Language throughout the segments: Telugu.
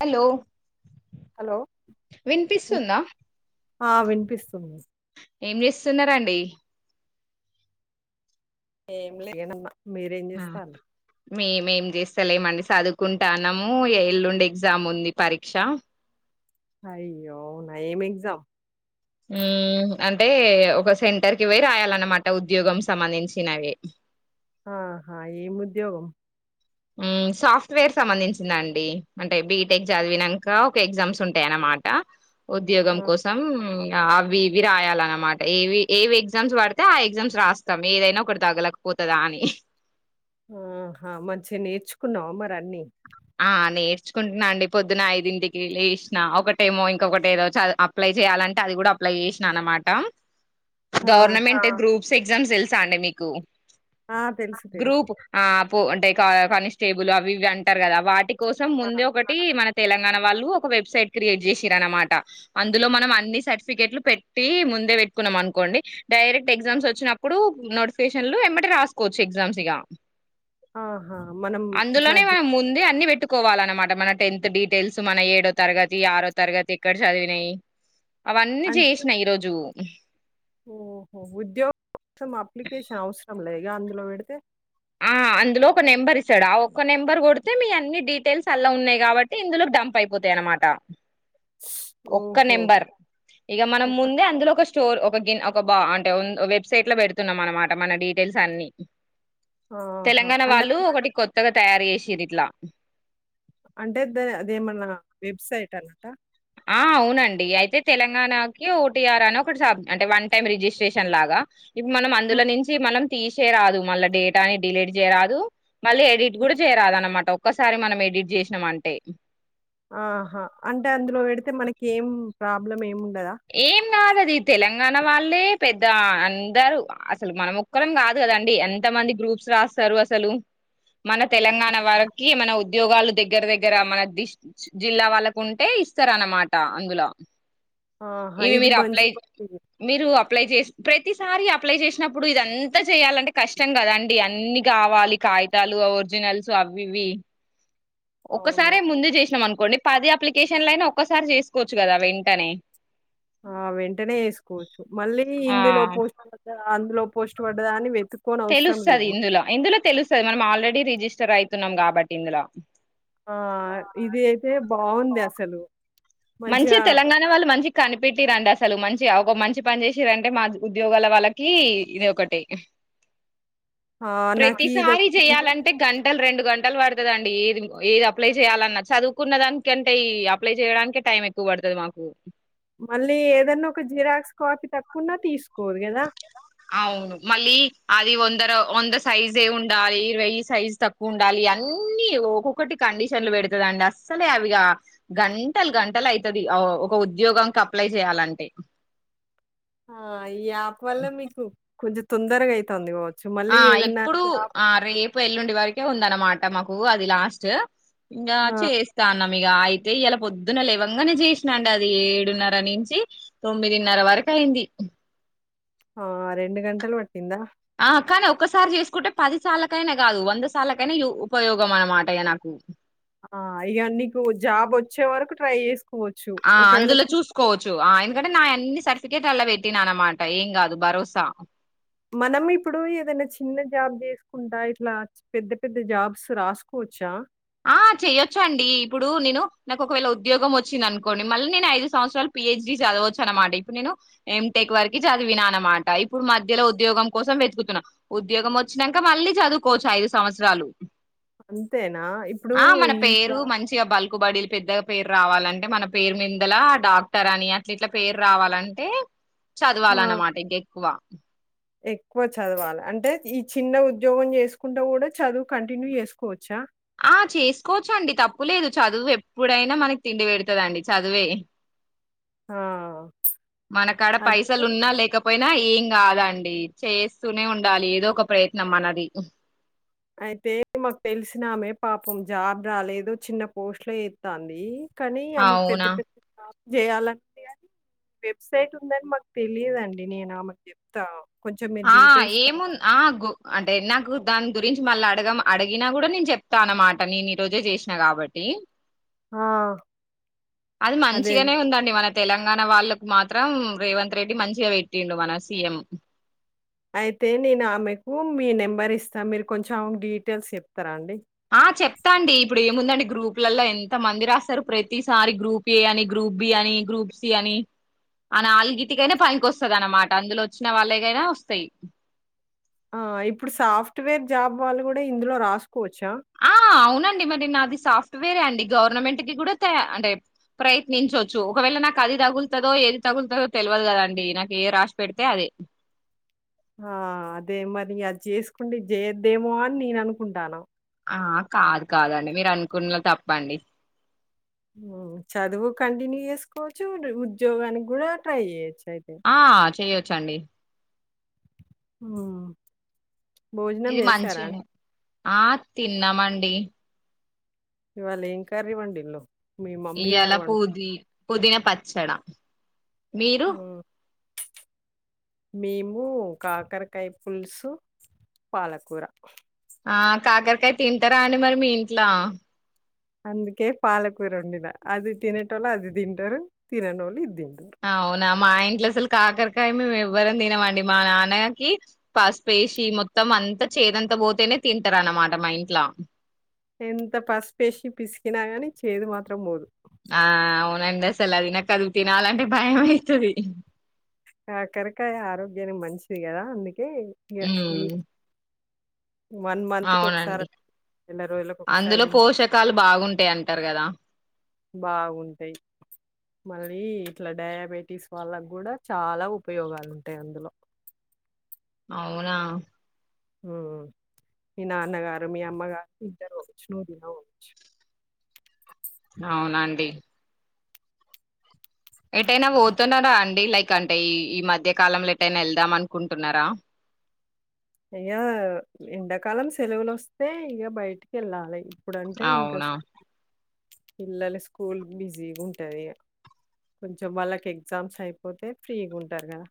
హలో హలో విన్- వినిపిస్తుందా ఆ వినిపిస్తుంది ఏం చేస్తున్నారండి ఏ మలేగ నమ్మ మీరెం ఆ చెస్తార్ మేమేం చేస్తాలేమండి చదువుకుంటానము ఎల్లుండి ఎగ్జామ్ ఉంది పరీక్ష అయ్యో అవునా ఏం ఎగ్జామ్ అంటే ఒక సెంటర్ కి పొయ్యి రాయాలన్నమాట ఉద్యోగం సంబంధించినవి ఆహా ఎమ్ ఉద్యోగం సాఫ్ట్వేర్ సంబంధించిందండి అంటే బీటెక్ చదివినాక ఒక ఎగ్జామ్స్ ఉంటాయ అన్నమాట ఉద్యోగం ఆ కోసం అవి ఇవి రాయాలన్నమాట ఏవి ఏవి ఎగ్జామ్స్ పడితే ఆ ఎగ్జామ్స్ రాస్తాం ఏదైనా ఒకటి తగ్గలేకపోతుందా అని ఆహా మంచిగా నేర్చుకున్నావా మరి అన్ని ఆ నేర్చుకుంటున్నా అండి పొద్దున ఐదింటికి లేసిన ఒకటేమో ఇంకొకటి ఏదో అప్లై చెయ్యాలంటే అది కూడా అప్లై చేసినా అనమాట ఆ గవర్నమెంట్ గ్రూప్ ఎగ్జామ్స్ తెలుసా అండి మీకు ఆ తెలుసు తెలుసు గ్రూప్ ఆ అంటే కా కానిస్టేబుల్ అవి ఇవి అంటారు కదా వాటి కోసం ఆ, ముందే ఒకటి మన తెలంగాణ వాళ్ళు ఒక వెబ్సైట్ క్రియేట్ చేసిరు అనమాట అందులో మనం అన్ని సర్టిఫికెట్లు పెట్టి ముందే పెట్టుకున్నాం అనుకోండి డైరెక్ట్ ఎగ్జామ్స్ వచ్చినప్పుడు నోటిఫికేషన్లు ఏమ్మటే రాసుకోవచ్చు ఎగ్జామ్స్ ఇగా ఆహా మనం ఇట్లా జి కోవాలన్నమాట మన టెన్త్ డీటెయిల్స్ మన ఏడో తరగతి ఆరో తరగతి ఎక్కడ చదివినాయి అవన్నీ అంటే చేసినా ఈరోజు ఓహో ఉద్యోగం సం అప్లికేషన్ అవసరం లే ఇగ అందులో పెడితే ఆ అందులో ఒక నెంబర్ ఇస్తాడు ఆ ఒక్క నెంబర్ కొడితే మీ అన్ని డీటెయిల్స్ అలా ఉన్నాయి కాబట్టి ఇందులోకి డంప్ అయిపోతాయి అనమాట ఒక్క ఓహో నెంబర్ ఇక మనం ఒక్క ముందే అందులో ఒక స్టోర్ ఒ కి గిన్ ఒక బా అంటే వెబ్సైట్ లో పెడుతున్నాం అనమాట మన డీటెయిల్స్ అన్ని ఆహా తెలంగాణ అంటే వాళ్ళు మన- ఒకటి కొత్తగా తయారుచేసిరు ఇట్లా అంటే ద అదేమన్నా వెబ్సైట్ అన్నట ఆ అవునండి అయితే తెలంగాణకి ఓటీఆర్ అని ఒకటి అంటే వన్ టైమ్ రిజిస్ట్రేషన్ లాగా ఇప్పుడు మనం అందులో నుంచి మనం తీసేరాదు మళ్ళా డేటాని డిలీట్ జెయరాదు మళ్ళీ ఎడిట్ గూడ జేయరాదున్నమాట ఒ ఒకసారి మనం ఎడిట్ జేసినాం అంటే ఆహా అంటే అందులో పెడితే మనకి ఏం ప్రాబ్లం ఏం ఏం గాదది తెలంగాణ వాళ్ళే పెద్ద అందరు అసలు మన ఒక్కరం గాదు కదండి ఎంత మంది గ్రూప్స్ రాస్తరు అసలు మన తెలంగాణ వాళ్లకి మన ఉద్యోగాలు దగ్గర దగ్గర మన ది జిల్లా వాళ్ళకు ఉంటే ఇస్తరు అన్నమాట అందుల ఆహా! ఇవి ఇది మీరు మంచి అప్లై పద్ధతి. మీరు అప్లై చేస్ ప్రతిసారి అప్లై చేసినప్పుడు ఇదంతా జేయాలంటే కష్టం కదాండి అన్ని కావాలి ఆ! కాయితాలు ఒర్ ఒరిజినల్స్ అవి ఇవి అవును. ఒక్కసారే ముందే జేసినాం అను పోనీ పది అప్లికేషన్ లైన ఒక్కసారి చేసుకోవచ్చు గదా వెంటనే ఆ వెంటనే జేసుకోవచ్చు మళ్ళీ ఆ ఇందులో పోస్ట్ పడ్డదా అందులో పోస్ట్ పడ్డదా అని వెత్ తెలుస్తది ఇందులో ఇందులో తెలుస్తది మనం ఆల్రెడీ రిజిస్ట ర్ అయితున్నాం గాబట్టి ఇందుల ఆ ఇదే అయి బావుంది అసలు మంచిగా తెలంగాణ వాళ్ళు మంచి కనిపెట్టి రండి అసలు మంచి మంచి ఒక మంచి పని చేసిరంటే మా ఉద్యోగాల వాళ్ళకి ఇది ఒకటి ఆహ్, నాకు ప్రతిసారి ఇదొకటి ఉందని జేయాలంటే గంటలు రెండు గంటలు పడుతుందండి ఏది ఏది అప్లై చేయాలన్నా చదువుకున్న దానికంటే ఈ అప్లై చేయడానికి టైం ఎక్కువ పడుతది మాకు మళ్ళీ ఏదైన్నా ఒక జిరాక్స్ కాపీ తక్కున్నా తీసుకు అవును మళ్ళీ అది వందరు వంద సైజే ఉండాలి వెయ్యి సైజు తక్కువ ఉండాలి అన్నీ ఒక్కొక్కటి కండిషన్లు పెడతదండి అస్సలే అవిగా గంటలు గంటలు అయితది ఒక ఉద్యోగంకి అప్లై చేయాలంటే ఆ ఆ ఈ యాప్ వల్ల మీకు కొంచెం తొందరగా అయితంది ఆ ఇప్పుడు ఆ రేపు ఎల్లుండి వరకే ఉందన్నమాట మాకు అది లాస్ట్ ఇంగా ఆ! చేస్తా. మీగా అయితే ఇలా పొద్దున లేవంగానే చేసినాండి. అది ఏడున్నర నుంచి తొమ్మిదిన్నర వరకు అయింది. ఆ రెండు గంటలు పట్టిందా. ఆ కానీ ఒక్కసారి చేసుకుంటే పది సార్కైనా కాదు. వంద సార్లకైనా ఉపయోగం అన్నమాట ఇగ నాకు ఆ ఇక నీకు జాబ్ వచ్చే వరకు ట్రై చేసు ఆ అందులో చూసుకోవచ్చు. ఆ ఎందుకంటే నా అన్ని సర్టిఫికేట్ అలా పెట్టినా అనమాట. ఏం కాదు భరోసా మనం ఇప్పుడు ఏదైనా చిన్న జాబ్ చేసుకుంటా ఇట్లా పెద్ద పెద్ద జాబ్స్ రాసుకోవచ్చా. ఆ చెయొచ్చు అండి. ఇప్పుడు నేను నాకు ఒకవేళ ఉద్యోగం వచ్చింది అనుకోండి మళ్ళీ నేను ఐదు సంవత్సరాలు పిహెచ్డి చదవచ్చు. అనమాట ఇప్పుడు నేను ఎ టెక్ వరకి చదివినాను అనమాట ఇప్పుడు మధ్యలో ఉద్యోగం కోసం వెతుకుతున్నా ఉద్యోగం వచ్చినాక మళ్ళీ చదువుకోవచ్చు ఐదు సంవత్సరాలు. అ ఆ మన పేరు మంచిగా బల్కుబడలు. పెద్దగా పేరు రావాలంటే మన పేరు మీదల డాక్టర్ అని అట్ ఇట్లా పేరు రావాలంటే, ఆ! చదవాలన్నమాట ఇంకా ఎక్కువ ఎక్కువ చదవాలి. అంటే ఈ చిన్న ఉద్యోగం చేసుకుంటా కూడా చదువు కంటిన్యూ చేసుకోవచ్చా. ఆ చేసుకోవచ్చు. అండి తప్పులేదు చదువు ఎప్పుడైనా మనకి తిండి పెడతదండి. చదువే ఆ! మన కాడ అదే పైసలు ఉన్నా లేకపోయినా ఏం కాదండి చేస్తూనే ఉండాలి ఏదో ఒక ప్రయత్నం మనది అయితే మాకు తెలిసినామే పాపం జాబ్ రాలేదు చిన్న పోస్ట్ లో చేతంది. కానీ ఆమెకు పెద్ద అవునా పెద్ద చేయాలంట కానీ వెబ్సైట్ ఉందని మాకు తెలియదుండి నేను ఆమెకు చెప్తా. ఆ ఏము ఆ గు అంటే దాని గురించి మళ్ళీ అడగ అడిగినా కూడా నేను చెప్తా అన్నమాట. నేను ఈ రోజే చేసినా కాబట్టి ఆ! అది అదే. మంచిగానే ఉందండి. తెలంగాణ వాళ్ళలకు మాత్రం రేవంత్ రెడ్డి మంచిగా పెట్టిండు. మన సీఎం అయితే నేను ఆమెకు మీ నెంబర్ ఇస్తాను మీరు కొంచెం ఆమెకు డీటెయిల్స్ చెప్తా. స్తర అండి. వస్తా అండి ఇప్పుడు ఏముందండి గ్రూప్లలో ఎంత మంది రాస్తారు. ప్రతిసారి గ్రూప్ ఏ అని గ్రూప్ బి అని గ్రూప్ సి అని అని అల్గిటికైనా పనికి వస్తది అనమాట అందులో వచ్చిన వాళ్ళేకైనా వస్తాయి. ఆ ఇప్పుడు సాఫ్ట్వేర్ జాబ్ వాళ్ళు కూడా ఇందులో రాసు ఆ అవునండి మరి నాది సాఫ్ వేరే అండి గవర్నమెంట్ కి కూడా అంటే ప్రయత్నించవచ్చు. ఒకవేళ నాకు అది తగులుతదో ఏది తగులుతుదో తెలియదు కదండి నాకు ఏ రాసి పెడితే అదే ఆ అదే మరి అది చేసుకుంటే చేయద్దేమో అని నేను అనుకుంటాన. ఆ కాదు కాదండి మీరు అనుకున్నది తప్పండి. చదువు కంటిన్యూ చేసుకోవచ్చు. ఉద్యోగానికి కూడా ట్రై చేయొచ్చు. అయితే. ఆ చెయ్యచ్చు. చండి. ఉం ఇది మంచి అని ఆ తిన్నామండి. ఏ ఇవాళ ఏం కర్రీ వండిళ్లు ఇయ్యాల పుది పుదీనా పచ్చడా మీరు హ్మ్. మేము కాకరకాయ పులుసు పాలకూర ఆ కాకరకాయ తింటారా అండి మరి మీ ఇంట్లో అందుకే పాలకూర వండిన అది తినేటోళ్ళు అది తింటారు తిననోళ్ళు ఇది తిం అవునా మా ఇంట్లో అసలు కాకరకాయ మేము ఎవ్వరం తినమండి మా నాన్నకి పసుపేసి మొత్తం అంతా చేదంత పోతేనే తింటారు అన్నమాట మా ఇంట్లో ఎంత పసుపేసి పిసికిిన గాని చేదు మాత్రం పోదు ఆ అవునండి అసలు అది నా కదువు తినాలంటే భయం అయితది ఆ కాకరకాయ ఆరోగ్యానికి మంచిది కదా అందు కే ఇగ ఉమ్ వీక్ వన్ మంత్కి ఒకసారి అవునండి నెల రోజులలకు ఒకసారి అందులో తింటే పోషకాలు బాగుంటాయి అంటారు కదా బాగుంటాయి మరీ ఇట్లా డయాబెటీస్ వాళ్ళకు కూడా చాలా ఉపయోగాలు ఉంటాయి అందులో అవునా ఉమ్ మీ నాన్నగారు మీ అమ్మగారు తింటారు పోవచ్చు నువ్వు తిన పోవచ్చు అవునండి ఎటైనా పోతున్నారా అండి లైక్ ఎందుకంటే ఈ ఈ మధ్య కాలంలో ఎటైనా వెళ్దాం అనుకుంటున్నారా ఇయ్యా ఎండాకాలం సెలవులు వస్తే ఇక బయటికి వెళ్ళాలి అప్పుడంటే ఇంకా. అవునా పిల్లలు స్కూల్ బిజీగా ఉంటాది కొంచం వాళ్ళకి ఎగ్జామ్స్ అయిపోతే ఫ్రీగా ఉంటారు కదా.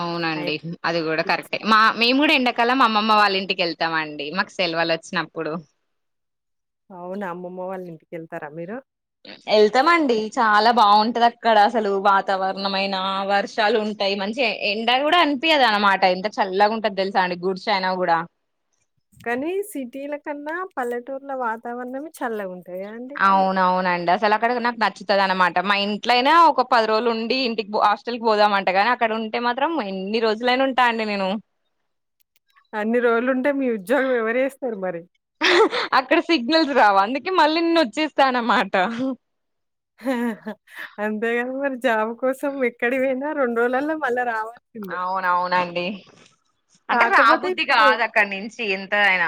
అవునండి అది కూడా కరెక్టే మా మేము కూడా ఎండ. కాలం అమ్మమ్మ వాళ్ళ ఇంటికి వెళ్తాము అండి మాకు సెలవులు వచ్చినప్పుడు. అవున అమ్మమ్మ వాళ్ళ ఇంటికి వెళ్తారా మీరు. వెళ్తామండి చాలా బాగుంటాది అక్కడ అసలు వాతావరణమైన వర్షాలు ఉంటాయి మంచి ఎండా కూడా అనిపియ్యదు అనమాట ఎంత చల్లగా ఉంటాది తెలుసా అండి గుడ్చి ఐనా కూడా. కానీ సిటీలా కన్నా పల్లెటూర్ల వాతావరణమే చల్లగ ఉం అవున అవునండి అసలు అక్కడ నాకు నచ్చిం. కదా అనమాట మా ఇంట్లోనైనా ఒక పది రోజులు ఉండి ఇంటికి హాస్టల్ కి పోదామంటా కానీ అక్కడ ఉంటే మాత్రం ఇన్ని రోజులైనా ఉంటా అండి నేను. అన్ని రోజులుంటే మీ ఉద్యోగం ఎవరు చేస్తారు మరి. అక్కడ సిగ్నల్స్ రావు అందుకే మళ్ళీ నేను వచ్చేస్తా అన్నమాట. అంతేగాని మరి జాబ్ కోసం ఎక్కడి పోయినా రెండు రోజలల్లో మళ్ళా రావాలి. అవునవును అండి. అంటే కాకపోతే రాబుద్ధి ఇప్పుడు కాదు అక్కడ నుంచి ఎంత అయిన.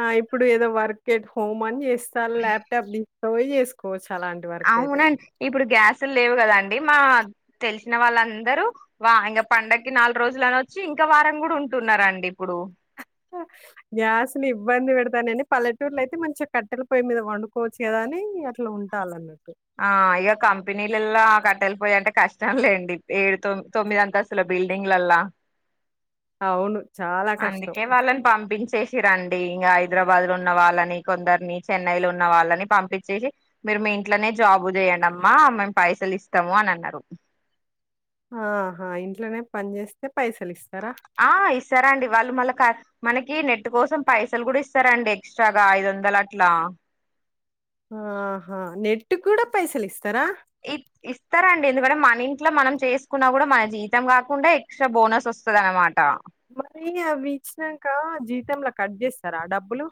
ఆ ఇప్పుడు ఏదో వర్క్ అట్ హోమ్ అని చే. Sir laptop. పోయి చేసుకోవచ్చు. అవునండి ఇప్పుడు గ్యాస్. అసలు లేవు కదాండి మా తెలిసిన వాళ్ళందరూ వా ఇంకా పండగకి నాలుగు రోజులుని వచ్చి ఇంకా వారం కూడా ఉంటున్నారాండి ఇప్పుడు. గ్యాస్ ని ఇబ్బంది పెడతానని పల్లెటూళ్లో అయితే మంచిగా కట్టెలా పొయ్యి మీద వండుకోవచ్చు కదా అని అట్లా ఉంటాల అన్నటు. ఆ ఇగ కంపెనీలలా. కట్టెలా పొయ్యి అంటే కష్టం లేండి ఏడు తొమ్ తొమ్మిది అంతస్తులా బిల్డింగ్ అల్లా. అవును. చాలా కష్టం. అందుకే వాళ్ళని పంపించేసిరూ అండి ఇగ ఐదు. హైదరాబాద్ లో ఉన్న వాళ్ళని కొందరిని చెన్నై లో ఉన్న వాళ్ళని పంపించేసి మీరు మీ ఇంటి. అట్లనే జాబు చేయండిమ్మా మేము పైసలు ఇస్తాము అని అన్నారు. ఆహా ఇంట్లోనే పని చేస్తే పైసలు ఇ. ఆ ఇస్తారాండి వాళ్ళు మళ్ళా క. మనకి నెట్ కోసం పైసలు కూడా ఇస్తారండి ఎక్స్ట్రాగా ఐదు వందలు అట్లా. ఆహా నెట్ కూడా పైసలు ఇస్తారా. ఇ ఇస్తారండి ఎందుకంటే మన ఇంట్లో మనం చేసుకున్నా కూడా మన జీవితం కాకుండా ఎక్స్ట్రా బోనస్ వస్తుంది అనమాట. మరి అవి ఇచ్చినాక జీతంలా కట్ చేస్తారా డబ్బులు.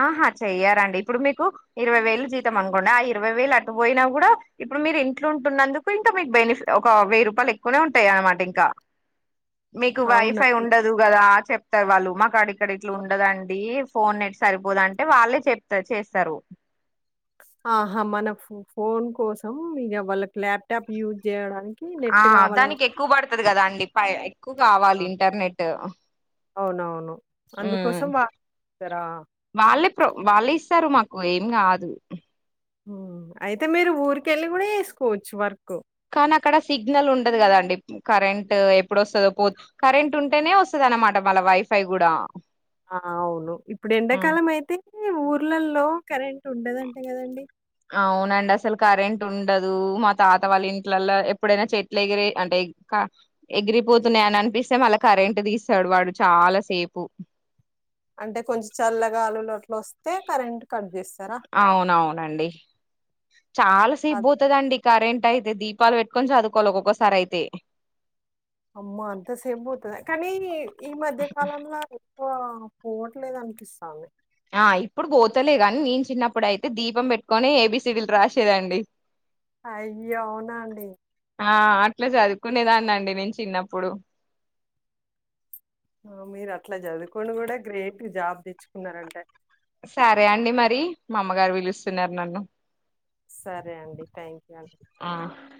ఆహా చెయ్యారండి ఇప్పుడు మీకు ఇరవై వేలు జీతం అనుకోండి ఆ ఇరవై వేలు అటు పోయినా కూడా ఇప్పుడు మీరు ఇంట్లో ఉంటున్నందుకు ఇంకా మీకు బెనిఫిట్ ఒక వెయ్యి రూపాయలు ఎక్కువనే ఉంటాయి అనమాట ఇంకా. మీకు అవునా! వైఫై ఉండదు కదా చె. త వాళ్ళ మా అడి. ఇక్కడ ఇట్లా ఉండదండి. ఫోన్. సరిపోదు అంటే వాళ్ళే చెప్తారు చేస్తారు. ఆహా మన ఫోన్ కోసం ఇగ వాళ్ళకి ల్యాప్టాప్ యూజ్ చేయడానికి. ఆ దానికి ఎక్కువ పడుతుంది కదా అండి పయ ఎక్కువ కావాలి ఇంటర్నెట్ అవునవును. అందుకోసం వాడతారా? వాళ్ళ ప్ర వాళ్ళ ఇస్తారు మాకు ఏం కాదు అయితే మీరు ఊరిక వెళ్ళి కూడా చెసుకోవచ్చు వర్క్ కానీ అక్కడ సిగ్నల్ ఉండదు కదాండి కరెంట్ ఎప్పుడు వస్తుందో పో కరెంట్ ఉంటేనే వస్తుద అనమాట మళ్ళ వైఫై కూడా ఆ అవును ఇప్పుడు ఎండాకాలం అయితే ఊర్లల్లో కరెంట్ ఉండదంటే కదండి అవునండి అసలు కరెంట్ ఉండదు మా తాత వాళ్ళ ఇంట్లలో ఎప్పుడైనా చెట్లు ఎగిరి అంటే ఎగిరిపోతున్నాయి అని అనిపిస్తే మళ్ళా కరెంట్ తీస్తాడు వాడు చాలా సేపు అంటే కొంచెం చల్లగా గాలులు అట్లు వస్తే కరెంట్ కట్ చేస్తుంరూ అవునవునండి చాలా సేపు అది పోతుందండి కరెంట్ అయితే అయితే దీపాలు పెట్టుకొని చదువుకోవాలి ఒక్కొక్కసారి అయితే అమ్మో! అంత సేపు బోతదా? ఆ పోట్లేద అనిపిస్తాంది ఆ ఇప్పుడు పోతలే గాని నేను చిన్నప్పుడు అయితే దీపం పెట్టుకొని ఏబిసిడిల్ రాసేదండి అయ్య అవునా అండి ఆ అట్లా చదువుకునేదాన్ని అండి నేను చిన్నప్పుడు ఆ మీరు అట్లా చదువుకోని కూడా గ్రేట్ జాబ్ తెచ్చుకున్నారంటే సరే అండి మరి మా అమ్మగారు పిలుస్తున్నారు నన్ను సరే అండి థ్యాంక్ యూ అం ఆ